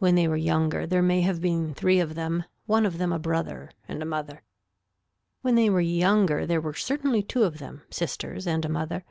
When they were younger there may have been three of them one of them a brother, and a mother. When they were younger there were certainly two of them, sisters, and a mother.